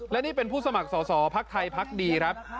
และนี่เป็นผู้สมัครสอบภาคไทยภาคดีครับ